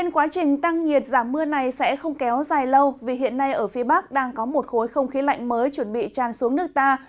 quá trình tăng nhiệt giảm mưa này sẽ không kéo dài lâu vì hiện nay ở phía bắc đang có một khối không khí lạnh mới chuẩn bị tràn xuống nước ta